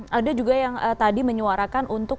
nah itu juga yang tadi menyuarakan untuk